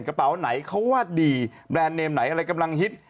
กระเป๋าไหนเขาว่าดีแบรนด์เนมไหนอะไรกำลังฮิต